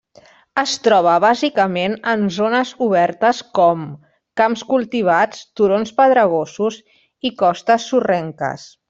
Es troba bàsicament en zones obertes com: camps cultivats, turons pedregosos i costes sorrenques.